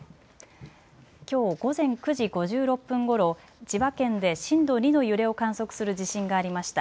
きょう午前９時５６分ごろ、千葉県で震度２の揺れを観測する地震がありました。